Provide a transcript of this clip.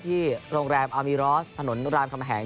ที่โรงแรมอัลมีรอสถนนรามคำแหง